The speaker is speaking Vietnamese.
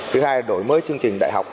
thứ hai là đổi mới chương trình đại học